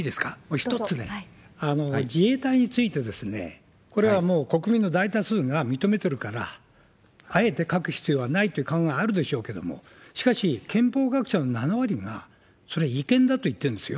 一つね、自衛隊についてですね、これはもう国民の大多数が認めてるから、あえて書く必要はないという感はあるでしょうけれども、しかし、憲法学者の７割が、それは違憲だと言ってるんですよ。